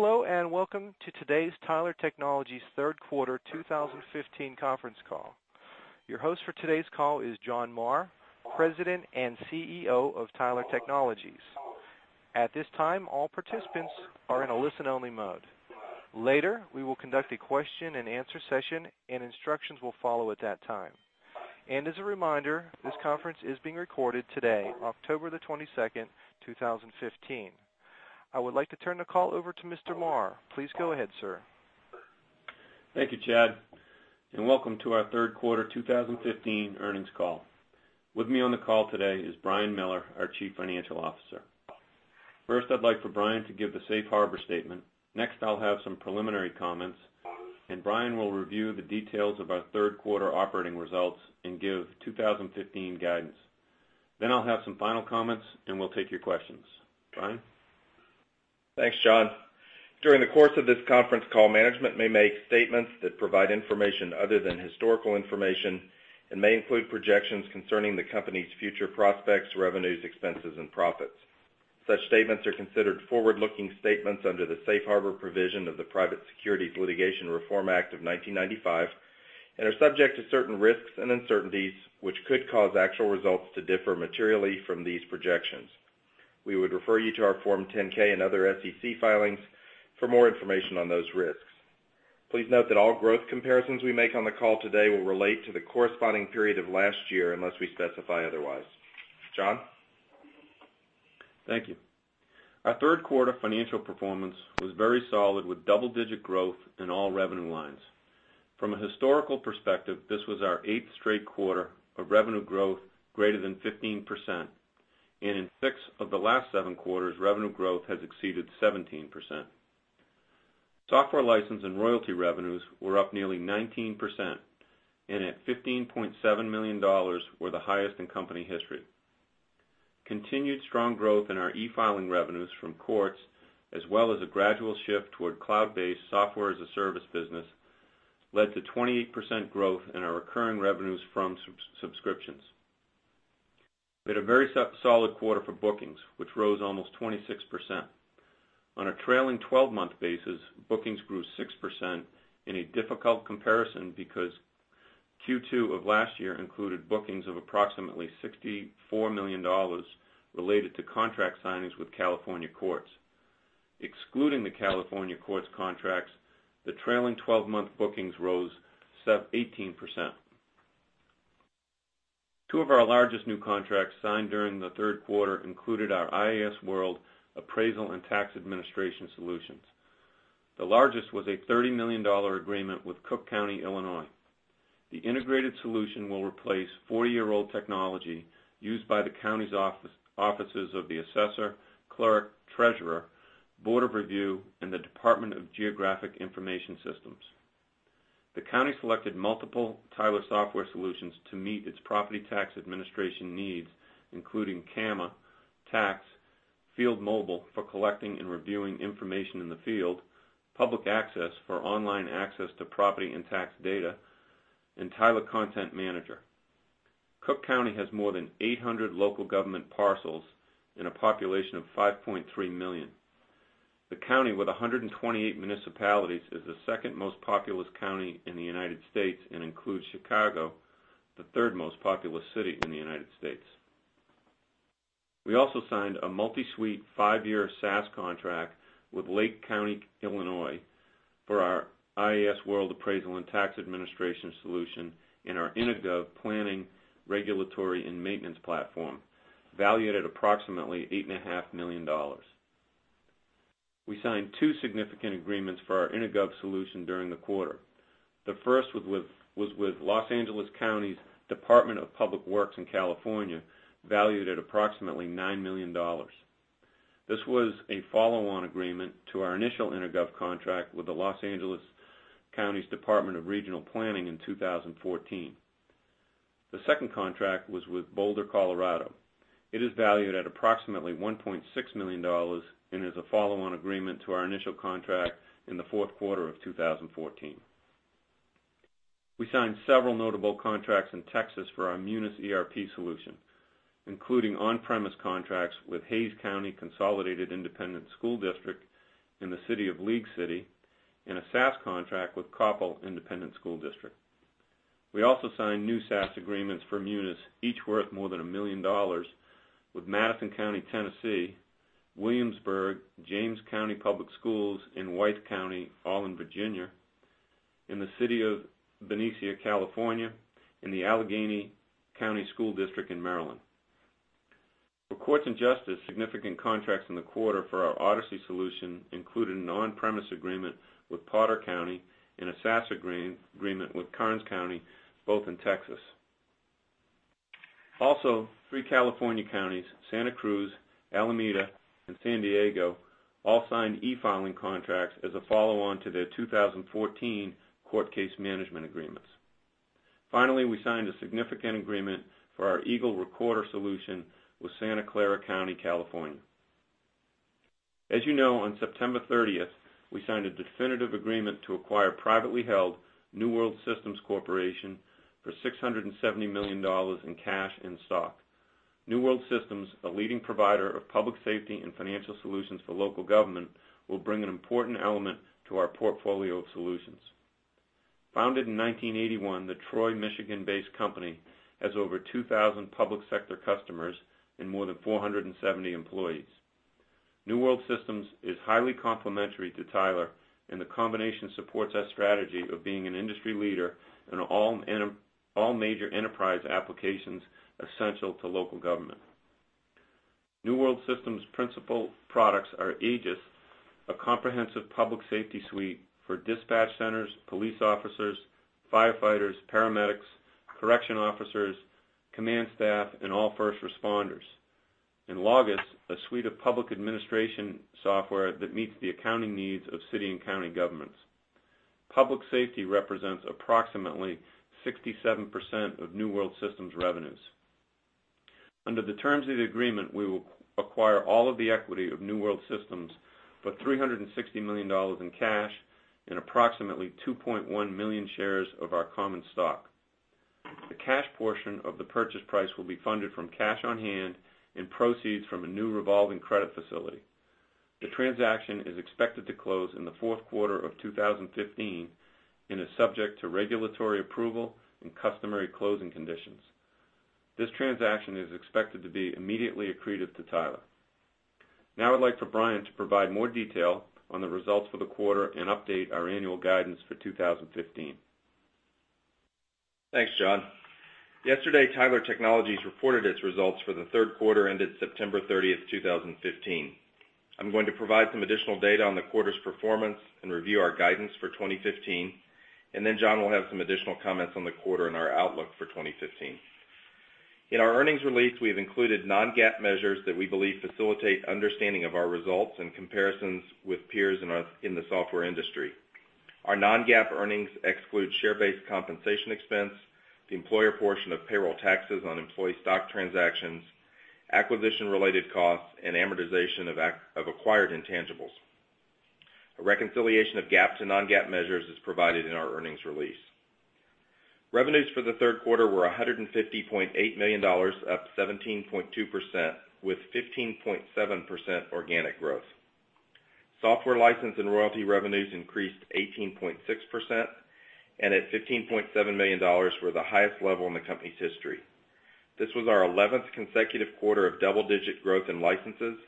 Hello, welcome to today's Tyler Technologies third quarter 2015 conference call. Your host for today's call is John Marr, President and CEO of Tyler Technologies. At this time, all participants are in a listen-only mode. Later, we will conduct a question and answer session, and instructions will follow at that time. As a reminder, this conference is being recorded today, October the 22nd, 2015. I would like to turn the call over to Mr. Marr. Please go ahead, sir. Thanks, John. With me on the call today is Brian Miller, our Chief Financial Officer. First, I'd like for Brian to give the safe harbor statement. Next, I'll have some preliminary comments, and Brian will review the details of our third quarter operating results and give 2015 guidance. I'll have some final comments, and we'll take your questions. Brian? Thanks, John. During the course of this conference call, management may make statements that provide information other than historical information and may include projections concerning the company's future prospects, revenues, expenses, and profits. Such statements are considered forward-looking statements under the safe harbor provision of the Private Securities Litigation Reform Act of 1995 and are subject to certain risks and uncertainties, which could cause actual results to differ materially from these projections. We would refer you to our Form 10-K and other SEC filings for more information on those risks. Please note that all growth comparisons we make on the call today will relate to the corresponding period of last year unless we specify otherwise. John? Thank you. Our third quarter financial performance was very solid, with double-digit growth in all revenue lines. From a historical perspective, this was our eighth straight quarter of revenue growth greater than 15%. In six of the last seven quarters, revenue growth has exceeded 17%. Software license and royalty revenues were up nearly 19%, and at $15.7 million were the highest in company history. Continued strong growth in our e-filing revenues from courts, as well as a gradual shift toward cloud-based software as a service business, led to 28% growth in our recurring revenues from subscriptions. We had a very solid quarter for bookings, which rose almost 26%. On a trailing 12-month basis, bookings grew 6% in a difficult comparison because Q2 of last year included bookings of approximately $64 million related to contract signings with California courts. Excluding the California courts contracts, the trailing 12-month bookings rose 18%. Two of our largest new contracts signed during the third quarter included our iasWorld Appraisal and Tax Administration Solutions. The largest was a $30 million agreement with Cook County, Illinois. The integrated solution will replace 40-year-old technology used by the county's offices of the assessor, clerk, treasurer, board of review, and the Department of Geographic Information Systems. The county selected multiple Tyler software solutions to meet its property tax administration needs, including CAMA, Tax, Field Mobile for collecting and reviewing information in the field, Public Access for online access to property and tax data, and Tyler Content Manager. Cook County has more than 800 local government parcels and a population of 5.3 million. The county, with 128 municipalities, is the second most populous county in the U.S. and includes Chicago, the third most populous city in the U.S. We also signed a multi-suite, five-year SaaS contract with Lake County, Illinois, for our iasWorld Appraisal and Tax Administration solution and our EnerGov planning, regulatory, and maintenance platform, valued at approximately $8.5 million. We signed two significant agreements for our EnerGov solution during the quarter. The first was with Los Angeles County Department of Public Works in California, valued at approximately $9 million. This was a follow-on agreement to our initial EnerGov contract with the Los Angeles County Department of Regional Planning in 2014. The second contract was with Boulder, Colorado. It is valued at approximately $1.6 million and is a follow-on agreement to our initial contract in the fourth quarter of 2014. We signed several notable contracts in Texas for our Munis ERP solution, including on-premise contracts with Hays Consolidated Independent School District in the city of League City, and a SaaS contract with Coppell Independent School District. We also signed new SaaS agreements for Munis, each worth more than a million dollars, with Madison County, Tennessee; Williamsburg-James City County Public Schools, and Wythe County, all in Virginia; in the city of Benicia, California; and the Allegany County Public Schools in Maryland. For courts and justice, significant contracts in the quarter for our Odyssey solution included an on-premise agreement with Potter County and a SaaS agreement with Karnes County, both in Texas. Also, three California counties, Santa Cruz, Alameda, and San Diego, all signed e-filing contracts as a follow-on to their 2014 court case management agreements. We signed a significant agreement for our Eagle Recorder solution with Santa Clara County, California. As you know, on September 30th, we signed a definitive agreement to acquire privately held New World Systems Corporation for $670 million in cash and stock. New World Systems, a leading provider of public safety and financial solutions for local government, will bring an important element to our portfolio of solutions. Founded in 1981, the Troy, Michigan-based company has over 2,000 public sector customers and more than 470 employees. New World Systems is highly complementary to Tyler, and the combination supports our strategy of being an industry leader in all major enterprise applications essential to local government. New World Systems' principal products are Aegis, a comprehensive public safety suite for dispatch centers, police officers, firefighters, paramedics, correction officers, command staff, and all first responders. Logos, a suite of public administration software that meets the accounting needs of city and county governments. Public safety represents approximately 67% of New World Systems' revenues. Under the terms of the agreement, we will acquire all of the equity of New World Systems for $360 million in cash and approximately 2.1 million shares of our common stock. The cash portion of the purchase price will be funded from cash on hand and proceeds from a new revolving credit facility. The transaction is expected to close in the fourth quarter of 2015 and is subject to regulatory approval and customary closing conditions. This transaction is expected to be immediately accretive to Tyler. I'd like for Brian to provide more detail on the results for the quarter and update our annual guidance for 2015. Thanks, John. Yesterday, Tyler Technologies reported its results for the third quarter ended September 30th, 2015. I'm going to provide some additional data on the quarter's performance and review our guidance for 2015. John will have some additional comments on the quarter and our outlook for 2015. In our earnings release, we have included non-GAAP measures that we believe facilitate understanding of our results and comparisons with peers in the software industry. Our non-GAAP earnings exclude share-based compensation expense, the employer portion of payroll taxes on employee stock transactions, acquisition-related costs, and amortization of acquired intangibles. A reconciliation of GAAP to non-GAAP measures is provided in our earnings release. Revenues for the third quarter were $150.8 million, up 17.2%, with 15.7% organic growth. Software license and royalty revenues increased 18.6%, and at $15.7 million, were the highest level in the company's history. This was our 11th consecutive quarter of double-digit growth in licenses.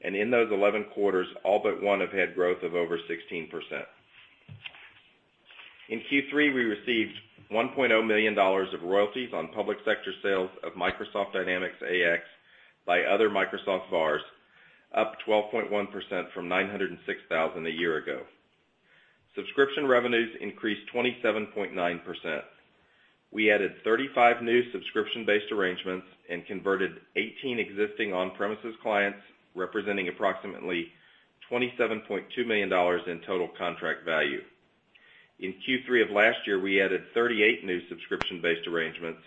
In those 11 quarters, all but one have had growth of over 16%. In Q3, we received $1.0 million of royalties on public sector sales of Microsoft Dynamics AX by other Microsoft VARs, up 12.1% from $906,000 a year ago. Subscription revenues increased 27.9%. We added 35 new subscription-based arrangements and converted 18 existing on-premises clients, representing approximately $27.2 million in total contract value. In Q3 of last year, we added 38 new subscription-based arrangements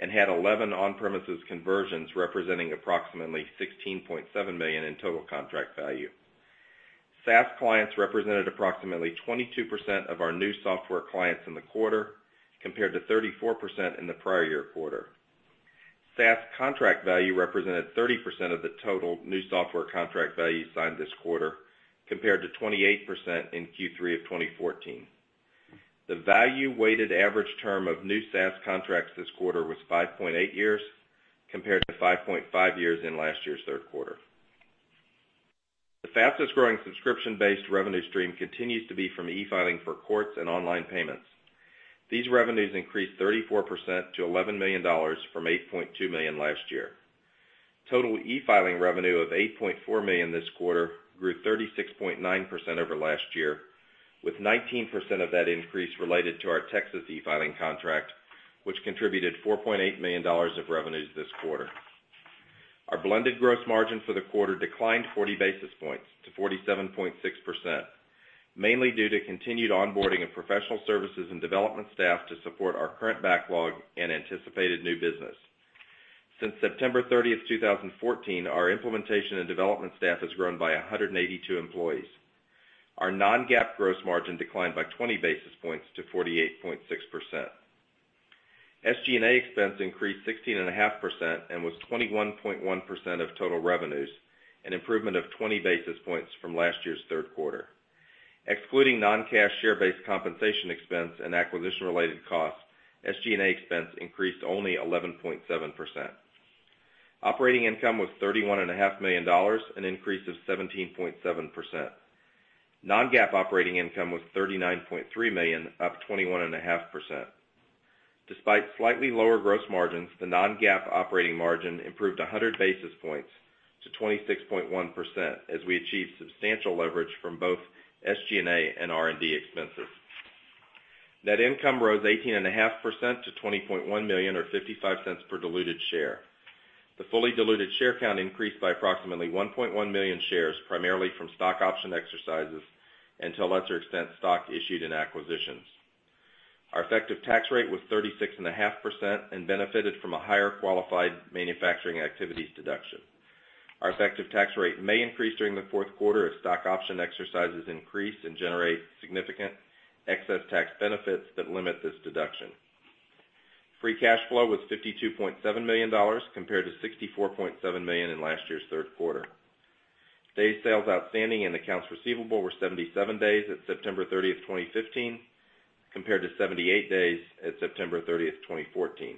and had 11 on-premises conversions representing approximately $16.7 million in total contract value. SaaS clients represented approximately 22% of our new software clients in the quarter, compared to 34% in the prior year quarter. SaaS contract value represented 30% of the total new software contract value signed this quarter, compared to 28% in Q3 of 2014. The value-weighted average term of new SaaS contracts this quarter was 5.8 years, compared to 5.5 years in last year's third quarter. The fastest-growing subscription-based revenue stream continues to be from e-filing for courts and online payments. These revenues increased 34% to $11 million from $8.2 million last year. Total e-filing revenue of $8.4 million this quarter grew 36.9% over last year, with 19% of that increase related to our Texas e-filing contract, which contributed $4.8 million of revenues this quarter. Our blended gross margin for the quarter declined 40 basis points to 47.6%, mainly due to continued onboarding of professional services and development staff to support our current backlog and anticipated new business. Since September 30th, 2014, our implementation and development staff has grown by 182 employees. Our non-GAAP gross margin declined by 20 basis points to 48.6%. SG&A expense increased 16.5% and was 21.1% of total revenues, an improvement of 20 basis points from last year's third quarter. Excluding non-cash share-based compensation expense and acquisition-related costs, SG&A expense increased only 11.7%. Operating income was $31.5 million, an increase of 17.7%. Non-GAAP operating income was $39.3 million, up 21.5%. Despite slightly lower gross margins, the non-GAAP operating margin improved 100 basis points to 26.1% as we achieved substantial leverage from both SG&A and R&D expenses. Net income rose 18.5% to $20.1 million, or $0.55 per diluted share. The fully diluted share count increased by approximately 1.1 million shares, primarily from stock option exercises and, to a lesser extent, stock issued in acquisitions. Our effective tax rate was 36.5% and benefited from a higher qualified manufacturing activities deduction. Our effective tax rate may increase during the fourth quarter as stock option exercises increase and generate significant excess tax benefits that limit this deduction. Free cash flow was $52.7 million, compared to $64.7 million in last year's third quarter. Days sales outstanding and accounts receivable were 77 days at September 30th, 2015, compared to 78 days at September 30th, 2014.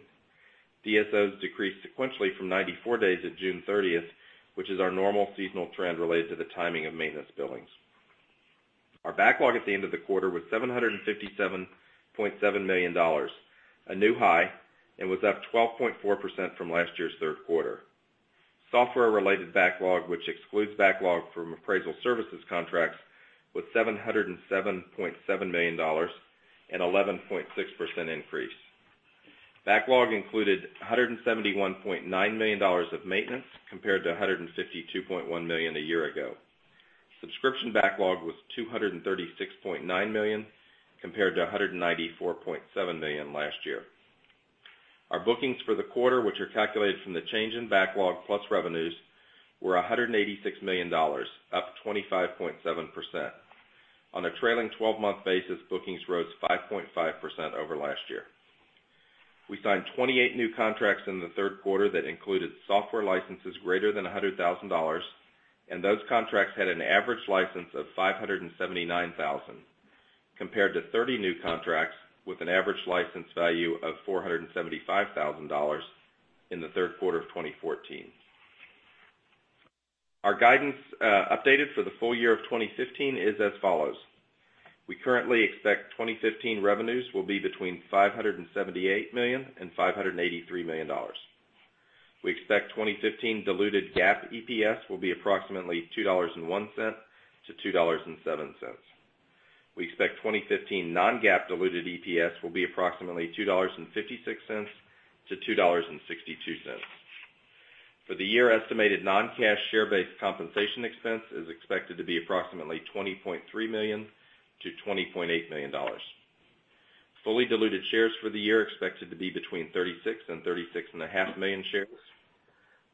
DSOs decreased sequentially from 94 days at June 30th, which is our normal seasonal trend related to the timing of maintenance billings. Our backlog at the end of the quarter was $757.7 million, a new high, and was up 12.4% from last year's third quarter. Software-related backlog, which excludes backlog from appraisal services contracts, was $707.7 million, an 11.6% increase. Backlog included $171.9 million of maintenance, compared to $152.1 million a year ago. Subscription backlog was $236.9 million, compared to $194.7 million last year. Our bookings for the quarter, which are calculated from the change in backlog plus revenues, were $186 million, up 25.7%. On a trailing 12-month basis, bookings rose 5.5% over last year. We signed 28 new contracts in the third quarter that included software licenses greater than $100,000, and those contracts had an average license of $579,000, compared to 30 new contracts with an average license value of $475,000 in the third quarter of 2014. Our guidance updated for the full year of 2015 is as follows. We currently expect 2015 revenues will be between $578 million-$583 million. We expect 2015 diluted GAAP EPS will be approximately $2.01-$2.07. We expect 2015 non-GAAP diluted EPS will be approximately $2.56-$2.62. For the year, estimated non-cash share-based compensation expense is expected to be approximately $20.3 million-$20.8 million. Fully diluted shares for the year are expected to be between 36 million-36.5 million shares.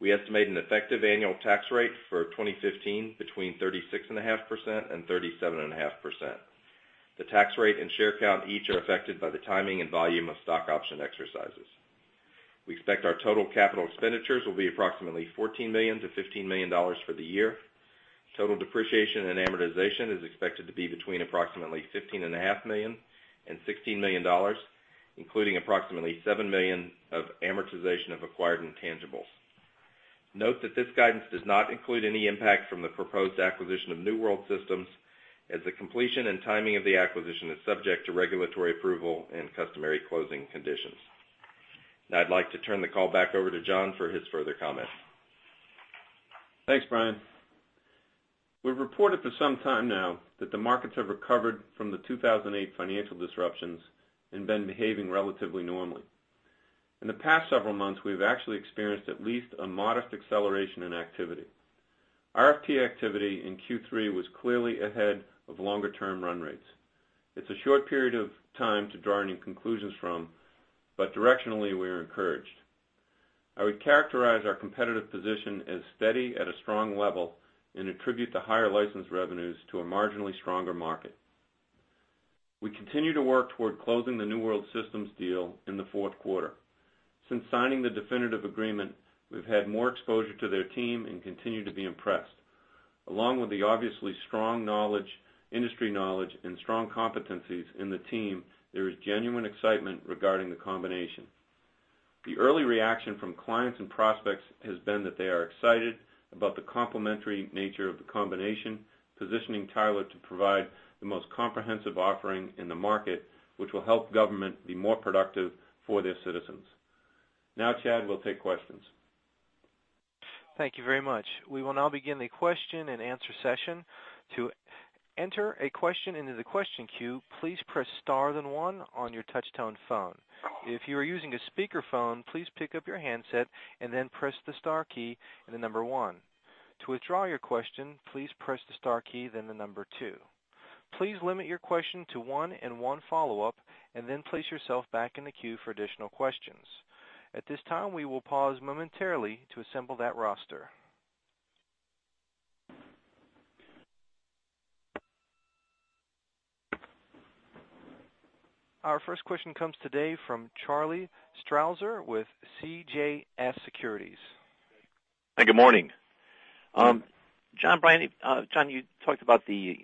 We estimate an effective annual tax rate for 2015 between 36.5%-37.5%. The tax rate and share count each are affected by the timing and volume of stock option exercises. We expect our total capital expenditures will be approximately $14 million-$15 million for the year. Total depreciation and amortization is expected to be between approximately $15.5 million-$16 million, including approximately $7 million of amortization of acquired intangibles. Note that this guidance does not include any impact from the proposed acquisition of New World Systems, as the completion and timing of the acquisition is subject to regulatory approval and customary closing conditions. Now I'd like to turn the call back over to John for his further comments. Thanks, Brian. We've reported for some time now that the markets have recovered from the 2008 financial disruptions and been behaving relatively normally. In the past several months, we've actually experienced at least a modest acceleration in activity. RFP activity in Q3 was clearly ahead of longer-term run rates. It's a short period of time to draw any conclusions from, but directionally, we are encouraged. I would characterize our competitive position as steady at a strong level and attribute the higher licensed revenues to a marginally stronger market. We continue to work toward closing the New World Systems deal in the fourth quarter. Since signing the definitive agreement, we've had more exposure to their team and continue to be impressed. Along with the obviously strong industry knowledge and strong competencies in the team, there is genuine excitement regarding the combination. The early reaction from clients and prospects has been that they are excited about the complementary nature of the combination, positioning Tyler to provide the most comprehensive offering in the market, which will help government be more productive for their citizens. Chad, we'll take questions. Thank you very much. We will now begin the question and answer session. To enter a question into the question queue, please press star, then one on your touch-tone phone. If you are using a speakerphone, please pick up your handset and then press the star key and the number 1. To withdraw your question, please press the star key, then the number 2. Please limit your question to one and one follow-up, and then place yourself back in the queue for additional questions. At this time, we will pause momentarily to assemble that roster. Our first question comes today from Charlie Strauzer with CJS Securities. Good morning. John, you talked about the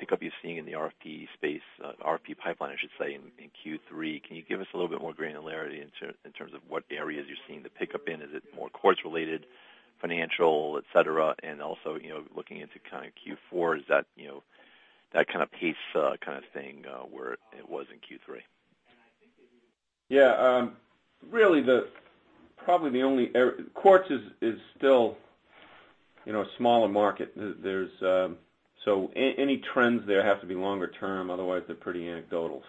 pickup you're seeing in the RFP space, RFP pipeline, I should say, in Q3. Can you give us a little bit more granularity in terms of what areas you're seeing the pickup in? Is it more courts-related, financial, et cetera? Also, looking into Q4, is that pace staying where it was in Q3? Courts is still a smaller market. Any trends there have to be longer term, otherwise they're pretty anecdotal.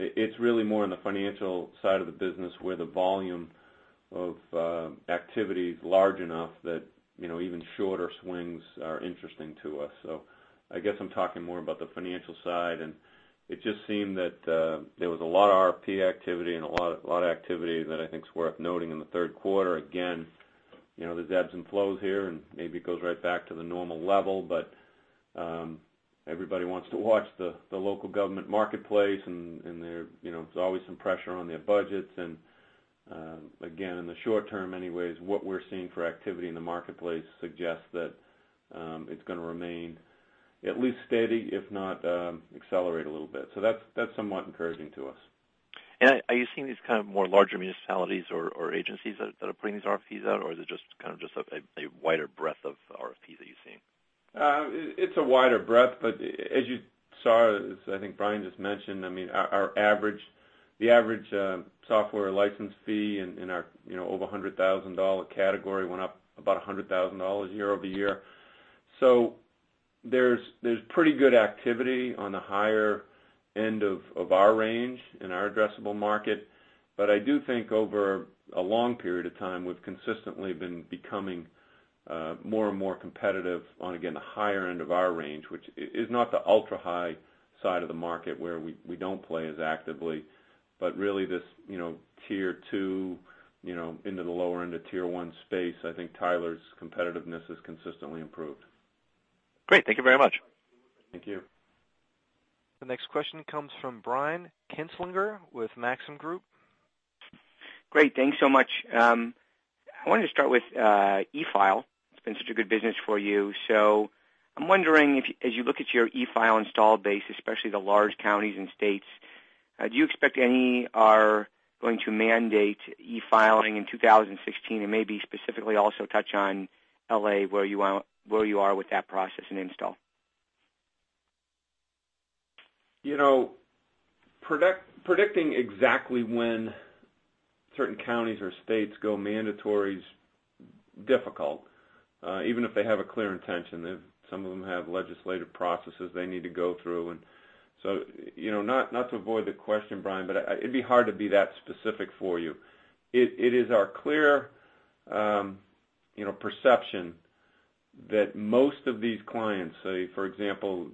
It's really more on the financial side of the business where the volume of activity is large enough that even shorter swings are interesting to us. I guess I'm talking more about the financial side, and it just seemed that there was a lot of RFP activity and a lot of activity that I think is worth noting in the third quarter. Again, there's ebbs and flows here, and maybe it goes right back to the normal level. Everybody wants to watch the local government marketplace, and there's always some pressure on their budgets. Again, in the short term anyways, what we're seeing for activity in the marketplace suggests that it's going to remain at least steady, if not accelerate a little bit. That's somewhat encouraging to us. Are you seeing these more larger municipalities or agencies that are putting these RFPs out, or is it just a wider breadth of RFPs that you're seeing? It's a wider breadth, as you saw, as I think Brian just mentioned, the average software license fee in our over $100,000 category went up about $100,000 year-over-year. There's pretty good activity on the higher end of our range in our addressable market. I do think over a long period of time, we've consistently been becoming more and more competitive on, again, the higher end of our range, which is not the ultra-high side of the market where we don't play as actively, but really this tier 2 into the lower end of tier 1 space. I think Tyler's competitiveness has consistently improved. Great. Thank you very much. Thank you. The next question comes from Brian Kinstlinger with Maxim Group. Great. Thanks so much. I wanted to start with e-file. It's been such a good business for you. I'm wondering, as you look at your e-file install base, especially the large counties and states, do you expect any are going to mandate e-filing in 2016? Maybe specifically also touch on L.A., where you are with that process and install. Predicting exactly when certain counties or states go mandatory is difficult. Even if they have a clear intention, some of them have legislative processes they need to go through. Not to avoid the question, Brian, but it'd be hard to be that specific for you. It is our clear perception that most of these clients, say, for example,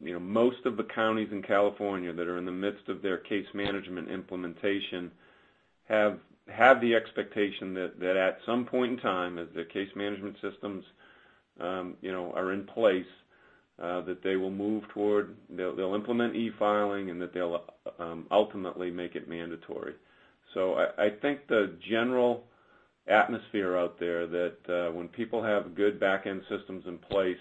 most of the counties in California that are in the midst of their case management implementation, have the expectation that at some point in time, as their case management systems are in place, that they'll implement e-filing, and that they'll ultimately make it mandatory. I think the general atmosphere out there, that when people have good back-end systems in place,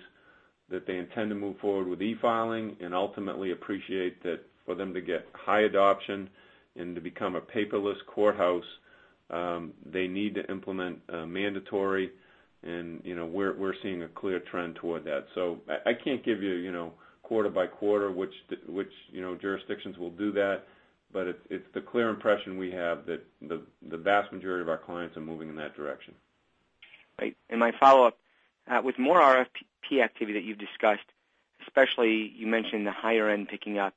that they intend to move forward with e-filing, and ultimately appreciate that for them to get high adoption and to become a paperless courthouse, they need to implement mandatory, and we're seeing a clear trend toward that. I can't give you quarter-by-quarter which jurisdictions will do that, but it's the clear impression we have that the vast majority of our clients are moving in that direction. Great. My follow-up: With more RFP activity that you've discussed, especially you mentioned the higher end picking up,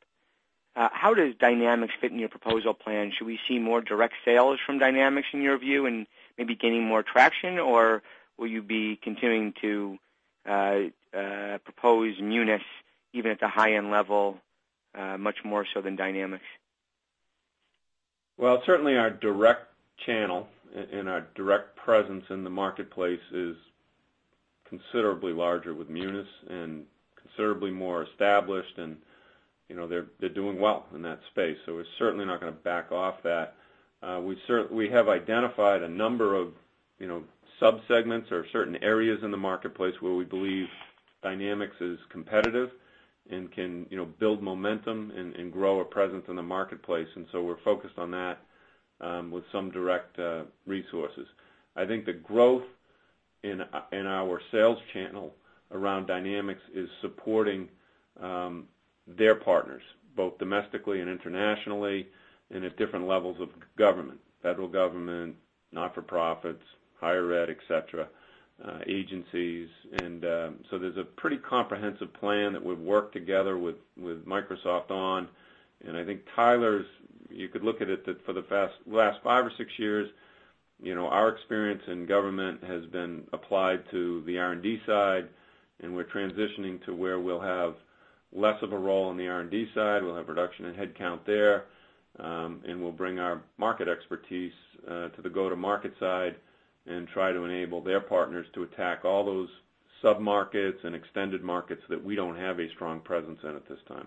how does Dynamics fit in your proposal plan? Should we see more direct sales from Dynamics, in your view, and maybe gaining more traction, or will you be continuing to propose Munis even at the high-end level, much more so than Dynamics? Well, certainly our direct channel and our direct presence in the marketplace is considerably larger with Munis and considerably more established, and they're doing well in that space, we're certainly not going to back off that. We have identified a number of subsegments or certain areas in the marketplace where we believe Dynamics is competitive and can build momentum and grow a presence in the marketplace. We're focused on that with some direct resources. I think the growth in our sales channel around Dynamics is supporting their partners, both domestically and internationally, and at different levels of government: federal government, not-for-profits, higher ed, et cetera, agencies. There's a pretty comprehensive plan that we've worked together with Microsoft on, and I think Tyler's-- you could look at it that for the last five or six years, our experience in government has been applied to the R&D side, and we're transitioning to where we'll have less of a role on the R&D side. We'll have a reduction in headcount there. We'll bring our market expertise to the go-to-market side and try to enable their partners to attack all those sub-markets and extended markets that we don't have a strong presence in at this time.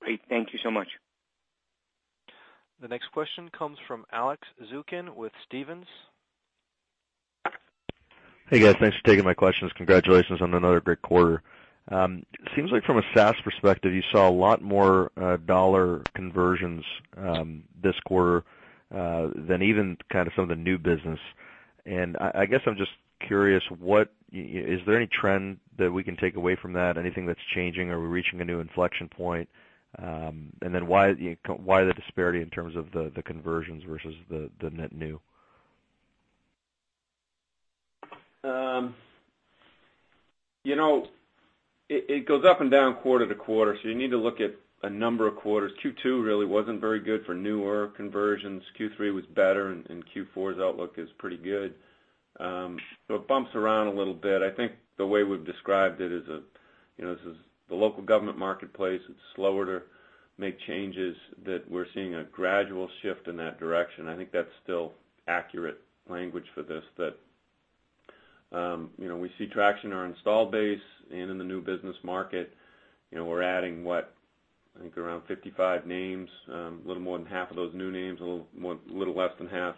Great. Thank you so much. The next question comes from Alex Zukin with Stephens. Hey, guys. Thanks for taking my questions. Congratulations on another great quarter. It seems like from a SaaS perspective, you saw a lot more dollar conversions this quarter than even some of the new business. I guess I'm just curious, is there any trend that we can take away from that? Anything that's changing? Are we reaching a new inflection point? Then why the disparity in terms of the conversions versus the net new? It goes up and down quarter to quarter, so you need to look at a number of quarters. Q2 really wasn't very good for newer conversions. Q3 was better, and Q4's outlook is pretty good. It bumps around a little bit. I think the way we've described it is, the local government marketplace, it's slower to make changes, that we're seeing a gradual shift in that direction. I think that's still accurate language for this, that we see traction in our installed base and in the new business market. We're adding, what, I think around 55 names, a little more than half of those new names, a little less than half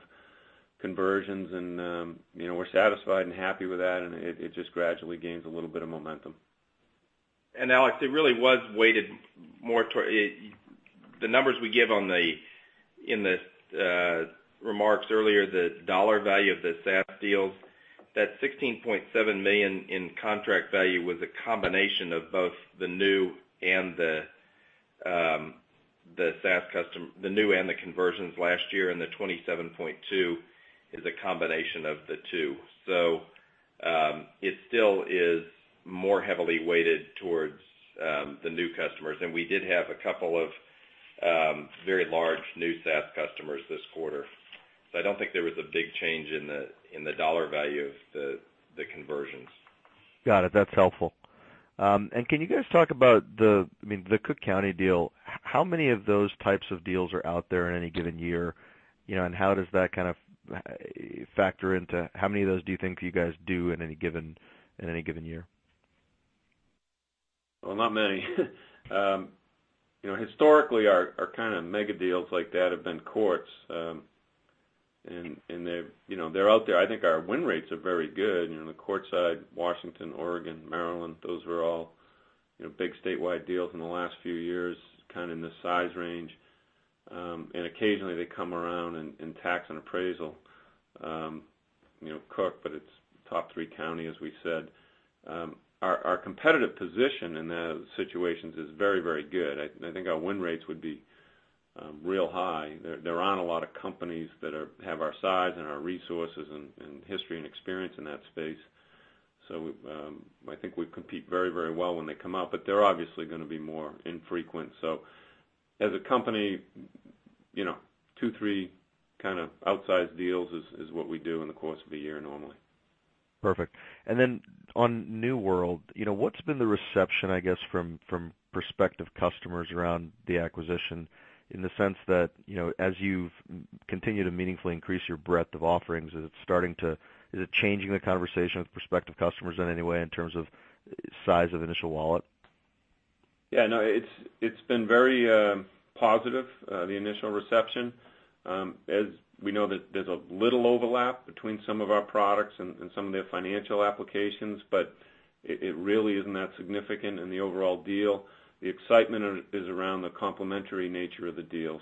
conversions, and we're satisfied and happy with that, and it just gradually gains a little bit of momentum. Alex, it really was weighted more toward the numbers we give in the remarks earlier, the dollar value of the SaaS deals. That $16.7 million in contract value was a combination of both the new and the conversions last year, and the $27.2 million is a combination of the two. It still is more heavily weighted towards the new customers. We did have a couple of very large new SaaS customers this quarter. I don't think there was a big change in the dollar value of the conversions. Got it. That's helpful. Can you guys talk about the Cook County deal, how many of those types of deals are out there in any given year? How does that factor into how many of those do you think you guys do in any given year? Not many. Historically, our mega deals like that have been courts. They're out there. I think our win rates are very good. The court side, Washington, Oregon, Maryland, those were all big statewide deals in the last few years, in this size range. Occasionally, they come around in tax and appraisal. Cook, but it's top 3 county, as we said. Our competitive position in those situations is very, very good. I think our win rates would be real high. There aren't a lot of companies that have our size and our resources and history and experience in that space. I think we compete very, very well when they come out. They're obviously going to be more infrequent. As a company, two, three kind of outsized deals is what we do in the course of a year normally. Perfect. On New World, what's been the reception, I guess, from prospective customers around the acquisition in the sense that, as you've continued to meaningfully increase your breadth of offerings, is it changing the conversation with prospective customers in any way in terms of size of initial wallet? Yeah, no, it's been very positive, the initial reception. As we know that there's a little overlap between some of our products and some of their financial applications, but it really isn't that significant in the overall deal. The excitement is around the complementary nature of the deal.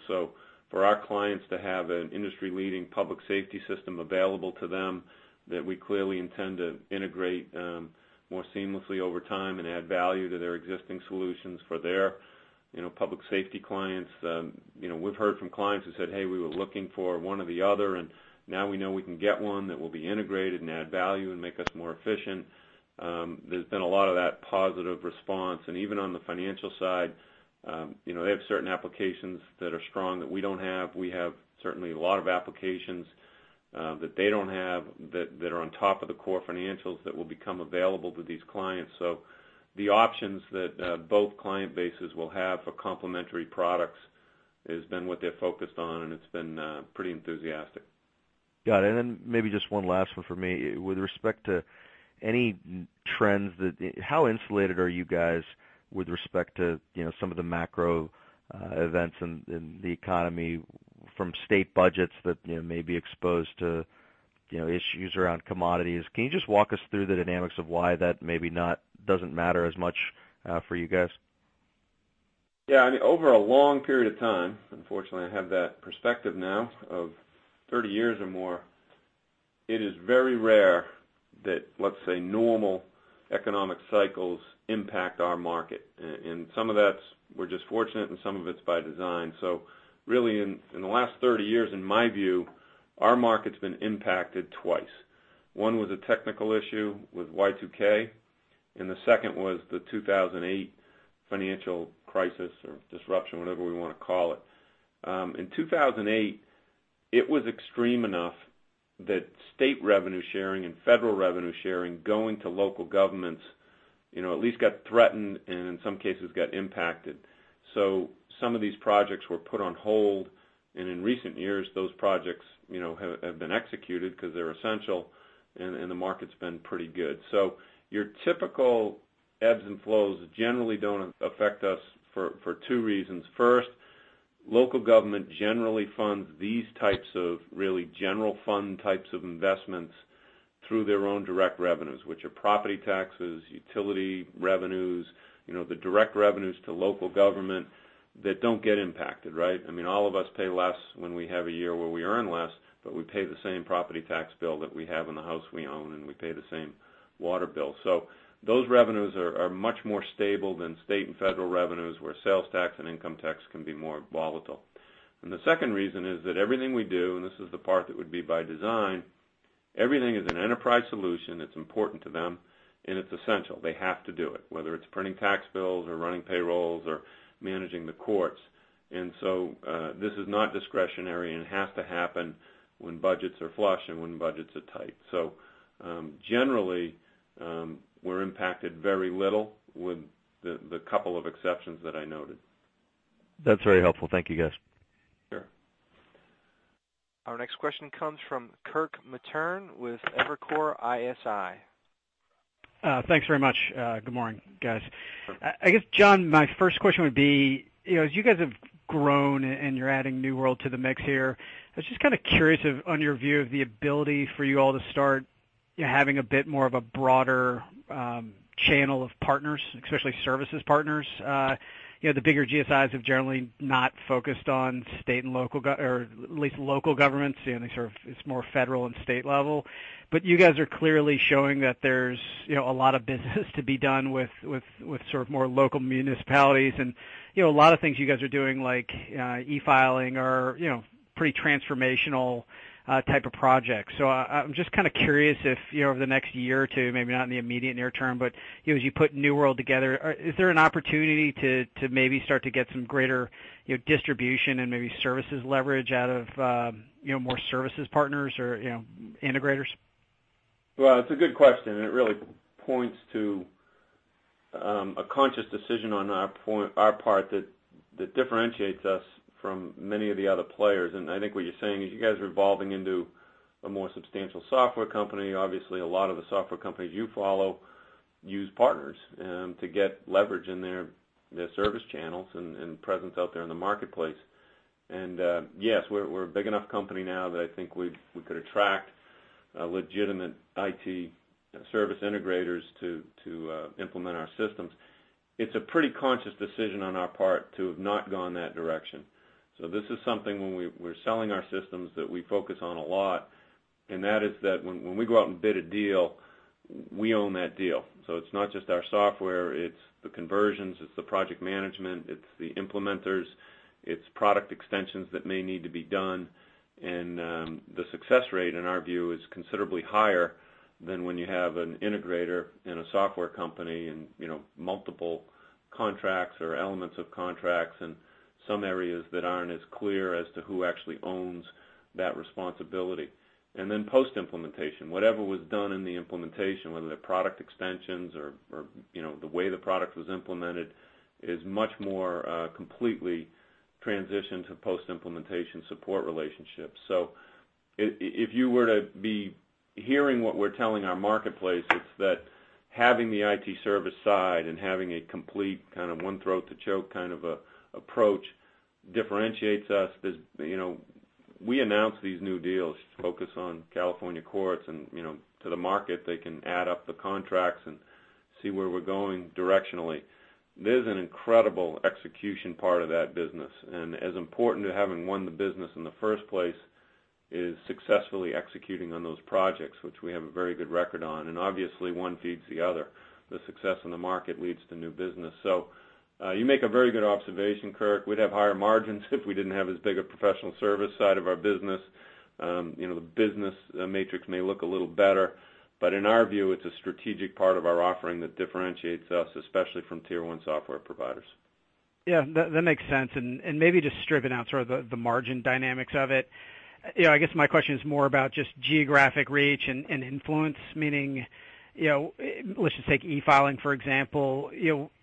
For our clients to have an industry-leading public safety system available to them that we clearly intend to integrate more seamlessly over time and add value to their existing solutions for their public safety clients. We've heard from clients who said, "Hey, we were looking for one or the other, and now we know we can get one that will be integrated and add value and make us more efficient." There's been a lot of that positive response. Even on the financial side, they have certain applications that are strong that we don't have. We have certainly a lot of applications that they don't have that are on top of the core financials that will become available to these clients. The options that both client bases will have for complementary products has been what they're focused on, and it's been pretty enthusiastic. Got it. Maybe just one last one for me. With respect to any trends, how insulated are you guys with respect to some of the macro events in the economy from state budgets that may be exposed to issues around commodities? Can you just walk us through the dynamics of why that maybe doesn't matter as much for you guys? Yeah, I mean, over a long period of time, unfortunately, I have that perspective now of 30 years or more, it is very rare that, let's say, normal economic cycles impact our market. Some of that, we're just fortunate, and some of it's by design. Really, in the last 30 years, in my view, our market's been impacted twice. One was a technical issue with Y2K, the second was the 2008 financial crisis or disruption, whatever we want to call it. In 2008, it was extreme enough that state revenue sharing and federal revenue sharing going to local governments at least got threatened and in some cases got impacted. Some of these projects were put on hold, in recent years, those projects have been executed because they're essential, the market's been pretty good. Your typical ebbs and flows generally don't affect us for two reasons. First, local government generally funds these types of really general fund types of investments through their own direct revenues, which are property taxes, utility revenues, the direct revenues to local government that don't get impacted, right? I mean, all of us pay less when we have a year where we earn less, but we pay the same property tax bill that we have on the house we own, we pay the same water bill. Those revenues are much more stable than state and federal revenues, where sales tax and income tax can be more volatile. The second reason is that everything we do, and this is the part that would be by design. Everything is an enterprise solution that's important to them, and it's essential. They have to do it, whether it's printing tax bills or running payrolls or managing the courts. This is not discretionary and has to happen when budgets are flush and when budgets are tight. Generally, we're impacted very little with the couple of exceptions that I noted. That's very helpful. Thank you, guys. Sure. Our next question comes from Kirk Materne with Evercore ISI. Thanks very much. Good morning, guys. Sure. I guess, John, my first question would be, as you guys have grown and you're adding New World to the mix here, I was just curious on your view of the ability for you all to start having a bit more of a broader channel of partners, especially services partners. The bigger GSIs have generally not focused on state and local, or at least local governments. It's more federal and state level. You guys are clearly showing that there's a lot of business to be done with more local municipalities and a lot of things you guys are doing, like e-filing or pretty transformational type of projects. I'm just curious if, over the next year or two, maybe not in the immediate near term, but as you put New World together, is there an opportunity to maybe start to get some greater distribution and maybe services leverage out of more services partners or integrators? It's a good question, and it really points to a conscious decision on our part that differentiates us from many of the other players. I think what you're saying is you guys are evolving into a more substantial software company. Obviously, a lot of the software companies you follow use partners to get leverage in their service channels and presence out there in the marketplace. Yes, we're a big enough company now that I think we could attract legitimate IT service integrators to implement our systems. It's a pretty conscious decision on our part to have not gone that direction. This is something, when we're selling our systems, that we focus on a lot, and that is that when we go out and bid a deal, we own that deal. It's not just our software, it's the conversions, it's the project management, it's the implementers, it's product extensions that may need to be done. The success rate, in our view, is considerably higher than when you have an integrator and a software company and multiple contracts or elements of contracts and some areas that aren't as clear as to who actually owns that responsibility. Post-implementation, whatever was done in the implementation, whether they're product extensions or the way the product was implemented, is much more completely transitioned to post-implementation support relationships. If you were to be hearing what we're telling our marketplace, it's that having the IT service side and having a complete one throat to choke approach differentiates us. We announce these new deals, focus on California courts, and to the market, they can add up the contracts and see where we're going directionally. There's an incredible execution part of that business, and as important to having won the business in the first place is successfully executing on those projects, which we have a very good record on. Obviously, one feeds the other. The success in the market leads to new business. You make a very good observation, Kirk. We'd have higher margins if we didn't have as big a professional service side of our business. The business matrix may look a little better, but in our view, it's a strategic part of our offering that differentiates us, especially from tier 1 software providers. That makes sense. Maybe just stripping out the margin dynamics of it. I guess my question is more about just geographic reach and influence, meaning, let's just take e-filing, for example.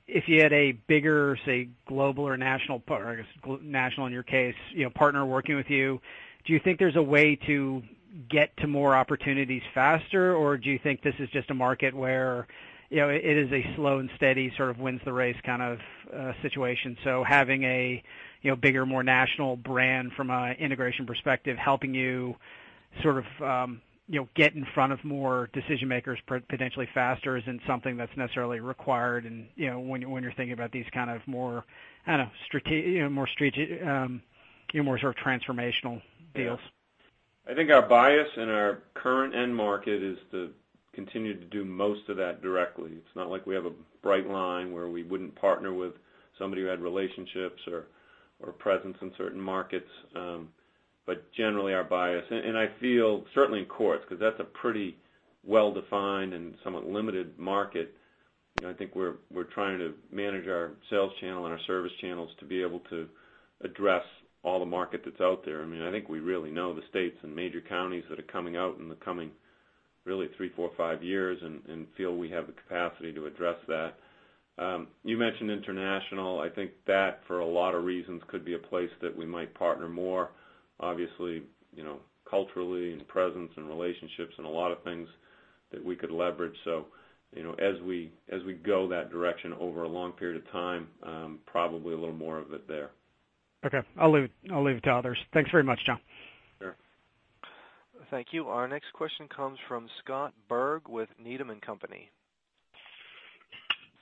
If you had a bigger, say, global or national, or I guess national in your case, partner working with you, do you think there's a way to get to more opportunities faster? Do you think this is just a market where it is a slow and steady wins the race situation? Having a bigger, more national brand from an integration perspective, helping you get in front of more decision makers potentially faster isn't something that's necessarily required, and when you're thinking about these more strategic, more transformational deals. I think our bias in our current end market is to continue to do most of that directly. It's not like we have a bright line where we wouldn't partner with somebody who had relationships or presence in certain markets. Generally, our bias, and I feel certainly in courts, because that's a pretty well-defined and somewhat limited market, I think we're trying to manage our sales channel and our service channels to be able to address all the market that's out there. I think we really know the states and major counties that are coming out in the coming really three, four, five years and feel we have the capacity to address that. You mentioned international. I think that, for a lot of reasons, could be a place that we might partner more. Obviously, culturally and presence and relationships and a lot of things that we could leverage. As we go that direction over a long period of time, probably a little more of it there. Okay. I'll leave it to others. Thanks very much, John. Sure. Thank you. Our next question comes from Scott Berg with Needham & Company.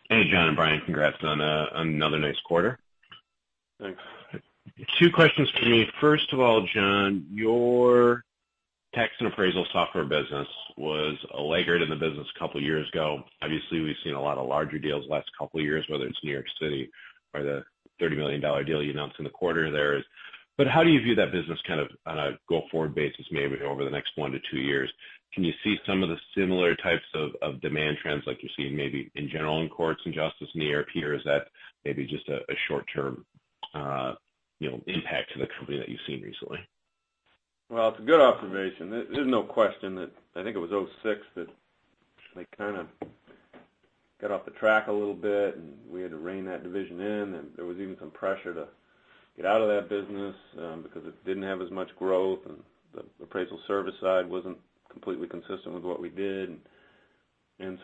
Hey, John and Brian. Congrats on another nice quarter. Thanks. Two questions for me. First of all, John, your tax and appraisal software business was a laggard in the business a couple of years ago. Obviously, we've seen a lot of larger deals the last couple of years, whether it's New York City or the $30 million deal you announced in the quarter there. How do you view that business on a go-forward basis, maybe over the next one to two years? Can you see some of the similar types of demand trends like you're seeing, maybe in general, in courts and justice near-peer? Is that maybe just a short-term impact to the company that you've seen recently? Well, it's a good observation. There's no question that, I think it was 2006, that they kind of got off the track a little bit, and we had to rein that division in, and there was even some pressure to get out of that business, because it didn't have as much growth, and the appraisal service side wasn't completely consistent with what we did.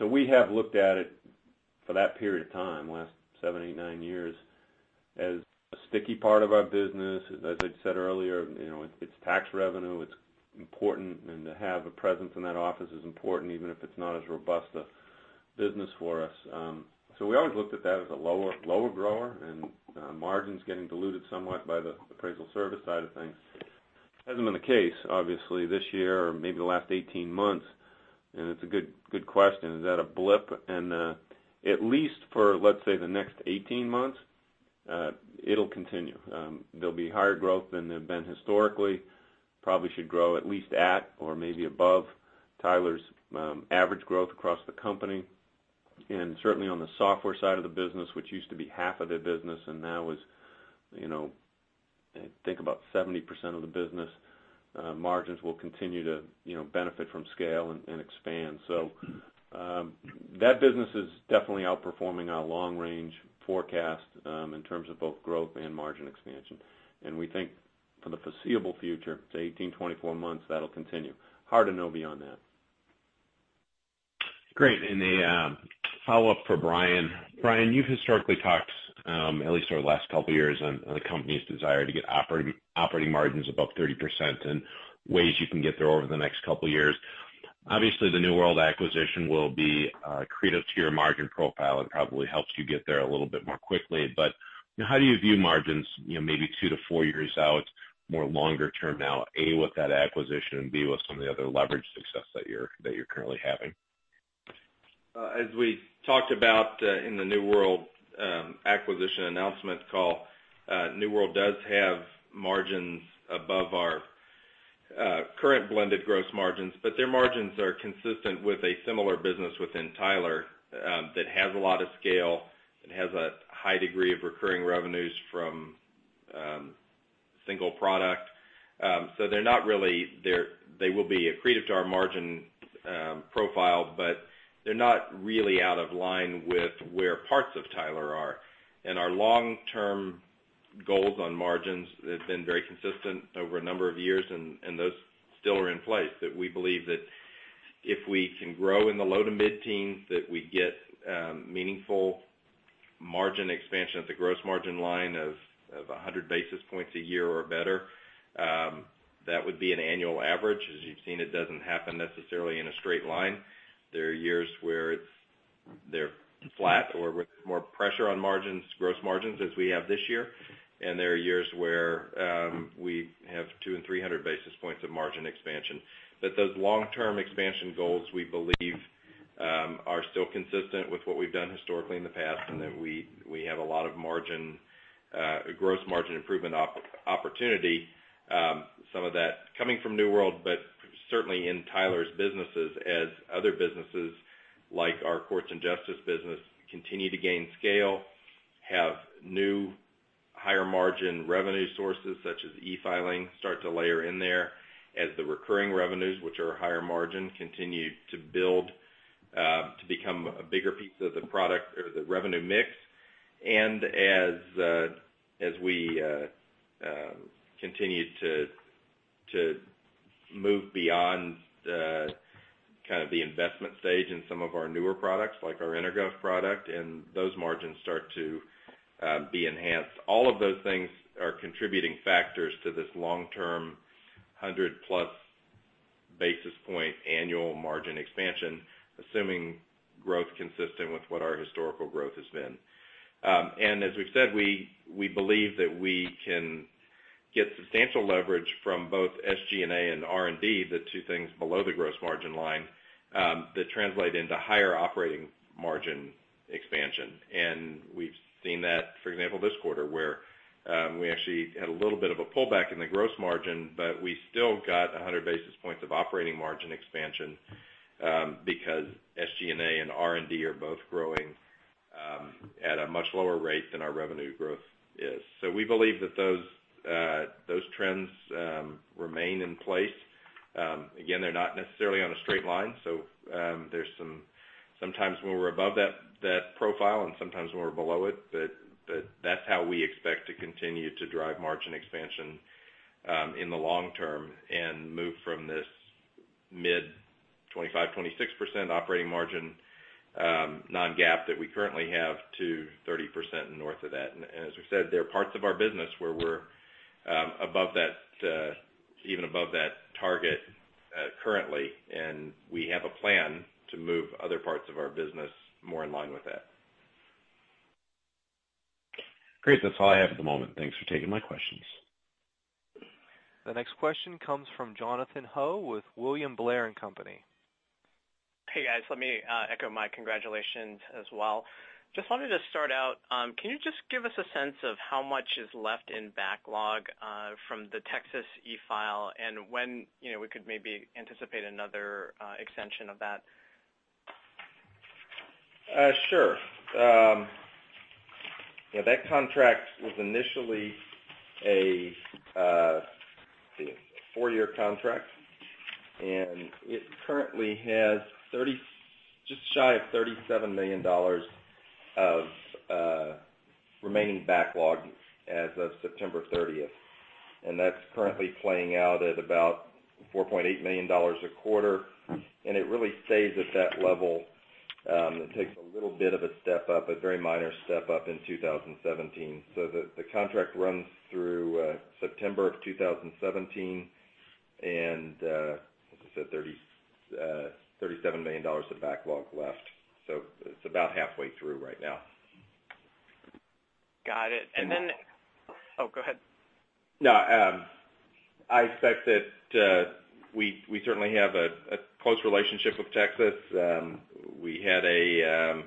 We have looked at it for that period of time, the last seven, eight, nine years, as a sticky part of our business. As I said earlier, it's tax revenue. It's important, to have a presence in that office is important, even if it's not as robust a business for us. We always looked at that as a lower grower and margins getting diluted somewhat by the appraisal service side of things. Hasn't been the case, obviously, this year or maybe the last 18 months, it's a good question. Is that a blip? At least for, let's say, the next 18 months, it'll continue. There'll be higher growth than there have been historically. Probably should grow at least at or maybe above Tyler's average growth across the company. Certainly, on the software side of the business, which used to be half of the business and now is, I think about 70% of the business, margins will continue to benefit from scale and expand. That business is definitely outperforming our long-range forecast in terms of both growth and margin expansion. We think for the foreseeable future, to 18, 24 months, that'll continue. Hard to know beyond that. Great. A follow-up for Brian. Brian, you've historically talked, at least over the last couple of years, on the company's desire to get operating margins above 30% and ways you can get there over the next couple of years. Obviously, the New World Systems acquisition will be accretive to your margin profile and probably helps you get there a little bit more quickly. How do you view margins maybe two to four years out, more longer term now, A, with that acquisition, and B, with some of the other leverage success that you're currently having? As we talked about in the New World acquisition announcement call, New World does have margins above our current blended gross margins, but their margins are consistent with a similar business within Tyler, that has a lot of scale and has a high degree of recurring revenues from a single product. They will be accretive to our margin profile, but they're not really out of line with where parts of Tyler are. Our long-term goals on margins have been very consistent over a number of years, and those still are in place. That we believe that if we can grow in the low to mid-teens, that we get meaningful margin expansion at the gross margin line of 100 basis points a year or better. That would be an annual average. As you've seen, it doesn't happen necessarily in a straight line. There are years where they're flat or with more pressure on gross margins as we have this year, there are years where we have 200 and 300 basis points of margin expansion. Those long-term expansion goals, we believe, are still consistent with what we've done historically in the past, and that we have a lot of gross margin improvement opportunity. Some of that coming from New World, but certainly in Tyler's businesses as other businesses, like our courts and justice business, continue to gain scale, have new higher-margin revenue sources, such as e-filing, start to layer in there. As the recurring revenues, which are higher margin, continue to build to become a bigger piece of the product or the revenue mix. As we continue to move beyond the investment stage in some of our newer products, like our EnerGov product, and those margins start to be enhanced. All of those things are contributing factors to this long-term 100-plus basis point annual margin expansion, assuming growth consistent with what our historical growth has been. As we've said, we believe that we can get substantial leverage from both SG&A and R&D, the two things below the gross margin line, that translate into higher operating margin expansion. We've seen that, for example, this quarter, where we actually had a little bit of a pullback in the gross margin, but we still got 100 basis points of operating margin expansion, because SG&A and R&D are both growing at a much lower rate than our revenue growth is. We believe that those trends remain in place. Again, they're not necessarily on a straight line, so there's sometimes when we're above that profile and sometimes when we're below it. That's how we expect to continue to drive margin expansion in the long term and move from this mid-25%, 26% operating margin non-GAAP that we currently have to 30% and north of that. As we said, there are parts of our business where we're even above that target currently, we have a plan to move other parts of our business more in line with that. Great. That's all I have at the moment. Thanks for taking my questions. The next question comes from Jonathan Ho with William Blair & Company. Hey, guys. Let me echo my congratulations as well. Just wanted to start out, can you just give us a sense of how much is left in backlog, from the Texas e-file and when we could maybe anticipate another extension of that? Sure. That contract was initially a four-year contract, and it currently has just shy of $37 million of remaining backlog as of September 30th. That's currently playing out at about $4.8 million a quarter. It really stays at that level. It takes a little bit of a step up, a very minor step up in 2017. The contract runs through September of 2017 and, like I said, $37 million of backlog left. It's about halfway through right now. Got it. Oh, go ahead. No, I expect that we certainly have a close relationship with Texas. We had a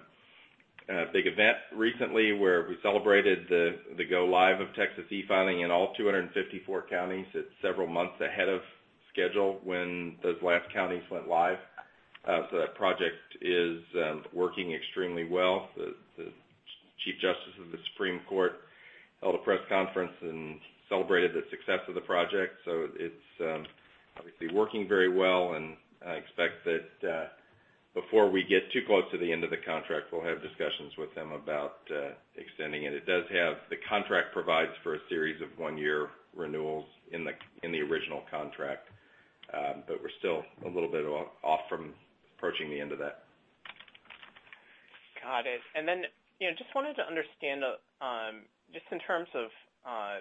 big event recently where we celebrated the go-live of Texas e-filing in all 254 counties. It's several months ahead of schedule when those last counties went live. That project is working extremely well. The chief justice of the Supreme Court held a press conference and celebrated the success of the project. It's obviously working very well, and I expect that before we get too close to the end of the contract, we'll have discussions with them about extending it. The contract provides for a series of one-year renewals in the original contract, but we're still a little bit off from approaching the end of that. Got it. Just wanted to understand, just in terms of, I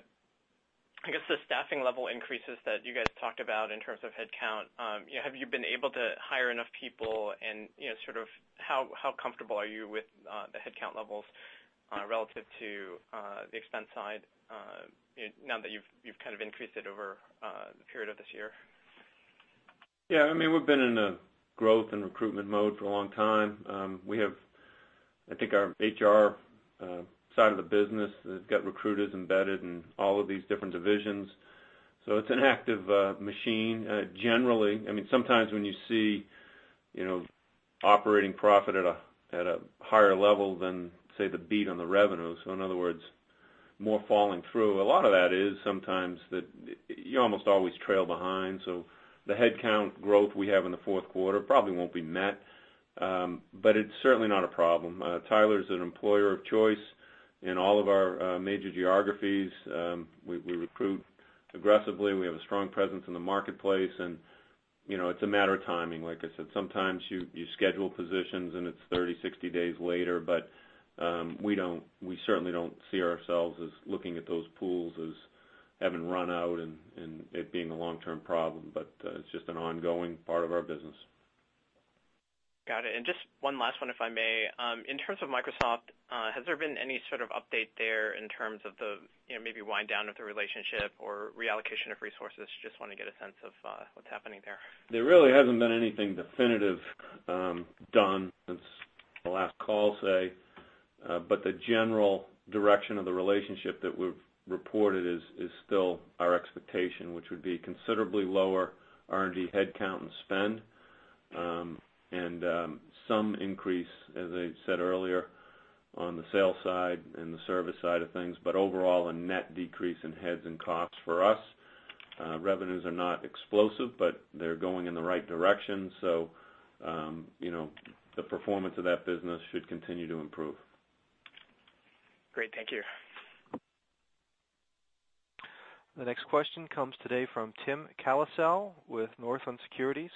guess, the staffing level increases that you guys talked about in terms of headcount. Have you been able to hire enough people and how comfortable are you with the headcount levels, relative to the expense side, now that you've increased it over the period of this year? Yeah, we've been in a growth and recruitment mode for a long time. I think our HR side of the business has got recruiters embedded in all of these different divisions. It's an active machine. Generally, sometimes when you see operating profit at a higher level than, say, the beat on the revenue, in other words, more falling through, a lot of that is sometimes that you almost always trail behind. The headcount growth we have in the fourth quarter probably won't be met. It's certainly not a problem. Tyler's an employer of choice in all of our major geographies. We recruit aggressively, and we have a strong presence in the marketplace. It's a matter of timing. Like I said, sometimes you schedule positions, and it's 30, 60 days later. We certainly don't see ourselves as looking at those pools as having run out and it being a long-term problem. It's just an ongoing part of our business. Got it. Just one last one, if I may. In terms of Microsoft, has there been any sort of update there in terms of the maybe wind down of the relationship or reallocation of resources? Just want to get a sense of what's happening there. There really hasn't been anything definitive done since the last call, say. The general direction of the relationship that we've reported is still our expectation, which would be considerably lower R&D headcount and spend, and some increase, as I said earlier, on the sales side and the service side of things, but overall, a net decrease in heads and costs for us. Revenues are not explosive, but they're going in the right direction. The performance of that business should continue to improve. Great. Thank you. The next question comes today from Tim Klasell with Northland Securities.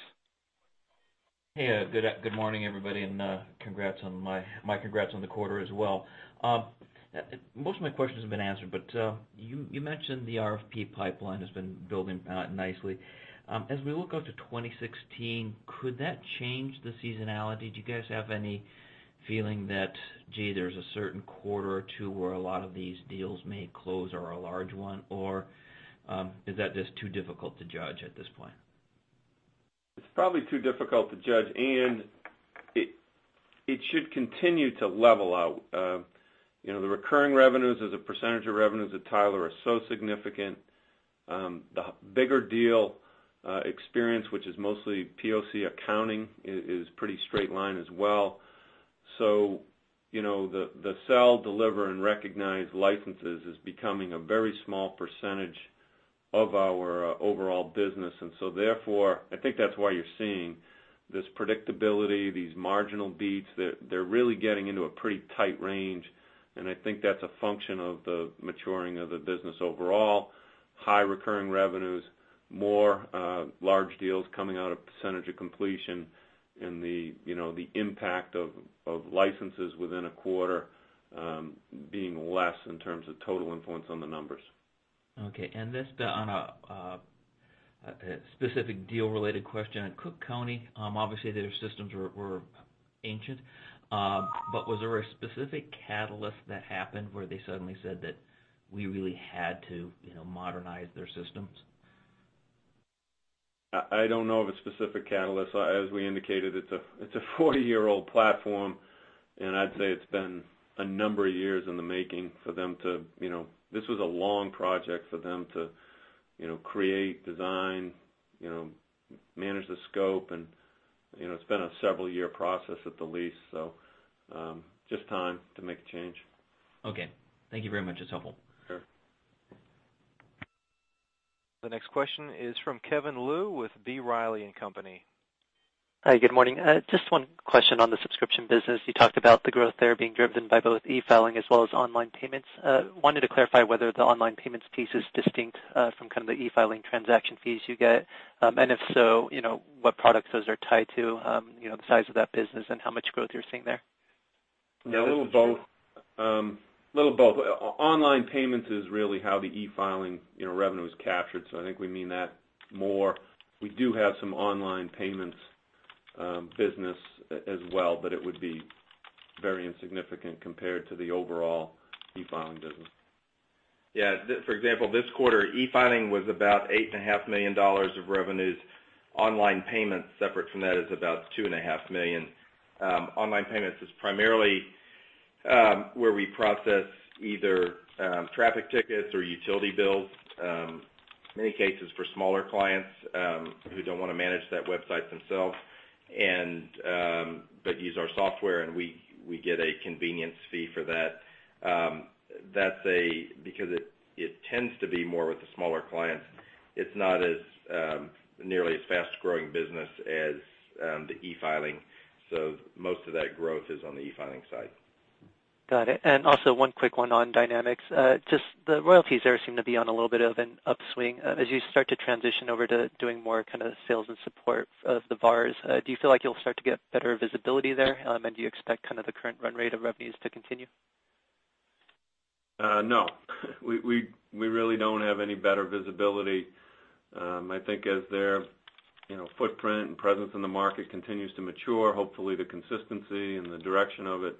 Hey. Good morning, everybody. My congrats on the quarter as well. Most of my questions have been answered. You mentioned the RFP pipeline has been building out nicely. As we look out to 2016, could that change the seasonality? Do you guys have any feeling that, gee, there's a certain quarter or two where a lot of these deals may close or a large one, or is that just too difficult to judge at this point? It's probably too difficult to judge, and it should continue to level out. The recurring revenues as a percentage of revenues at Tyler are so significant. The bigger deal experience, which is mostly POC accounting, is pretty straight line as well. The sell, deliver, and recognize licenses is becoming a very small percentage of our overall business. Therefore, I think that's why you're seeing this predictability, these marginal beats. They're really getting into a pretty tight range, and I think that's a function of the maturing of the business overall. High recurring revenues, more large deals coming out of percentage of completion, and the impact of licenses within a quarter being less in terms of total influence on the numbers. Okay. This on a specific deal-related question in Cook County. Obviously, their systems were ancient. Was there a specific catalyst that happened where they suddenly said that we really had to modernize their systems? I don't know of a specific catalyst. As we indicated, it's a 40-year-old platform, and I'd say it's been a number of years in the making. This was a long project for them to create, design, manage the scope, and it's been a several-year process at the least. Just time to make a change. Okay. Thank you very much. That's helpful. Sure. The next question is from Kevin Lu with B. Riley & Company Hi, good morning. Just one question on the subscription business. You talked about the growth there being driven by both e-filing as well as online payments. Wanted to clarify whether the online payments piece is distinct from the e-filing transaction fees you get. If so, what products those are tied to, the size of that business, and how much growth you're seeing there. Yeah, a little of both. Online payments is really how the e-filing revenue is captured. I think we mean that more. We do have some online payments business as well, but it would be very insignificant compared to the overall e-filing business. Yeah. For example, this quarter, e-filing was about $8.5 million of revenues. Online payments separate from that is about $2.5 million. Online payments is primarily where we process either traffic tickets or utility bills, in many cases for smaller clients who don't want to manage that website themselves, but use our software, and we get a convenience fee for that. Because it tends to be more with the smaller clients, it's not as nearly as fast-growing business as the e-filing. Most of that growth is on the e-filing side. Got it. Also one quick one on Dynamics. Just the royalties there seem to be on a little bit of an upswing. As you start to transition over to doing more sales and support of the VARs, do you feel like you'll start to get better visibility there? Do you expect the current run rate of revenues to continue? No. We really don't have any better visibility. I think as their footprint and presence in the market continues to mature, hopefully the consistency and the direction of it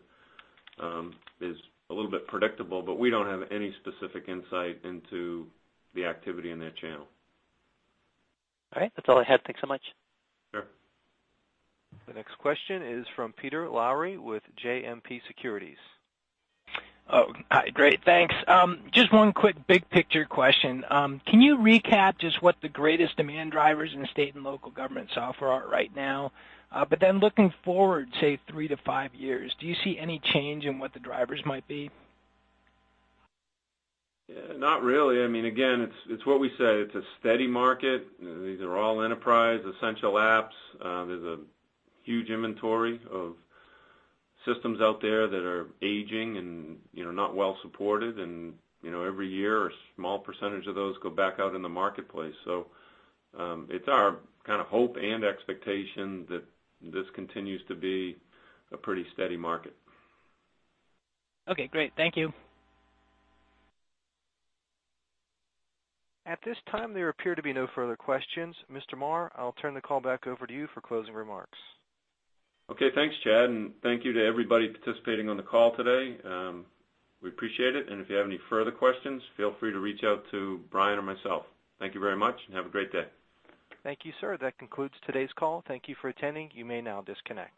is a little bit predictable. We don't have any specific insight into the activity in that channel. All right. That's all I had. Thanks so much. Sure. The next question is from Peter Lowry with JMP Securities. Oh, hi. Great. Thanks. Just one quick big-picture question. Can you recap just what the greatest demand drivers in state and local government software are right now? Then looking forward, say three to five years, do you see any change in what the drivers might be? Not really. Again, it's what we say, it's a steady market. These are all enterprise essential apps. There's a huge inventory of systems out there that are aging and not well-supported. Every year, a small percentage of those go back out in the marketplace. It's our hope and expectation that this continues to be a pretty steady market. Okay, great. Thank you. At this time, there appear to be no further questions. Mr. Marr, I'll turn the call back over to you for closing remarks. Okay. Thanks, Chad, and thank you to everybody participating on the call today. We appreciate it, and if you have any further questions, feel free to reach out to Brian or myself. Thank you very much and have a great day. Thank you, sir. That concludes today's call. Thank you for attending. You may now disconnect.